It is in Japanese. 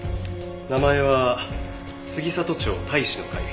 名前は「杉里町隊士の会」。